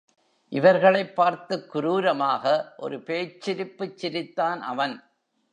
இவர்களைப் பார்த்துக் குரூரமாக ஒரு பேய்ச் சிரிப்புச் சிரித்தான் அவன்.